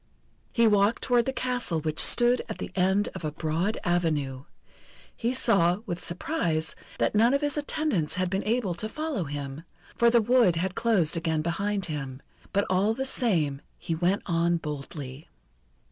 He walked toward the castle which stood at the end of a broad avenue. He saw, with surprise, that none of his attendants had been able to follow him, for the wood had closed again behind him; but all the same he went on boldly.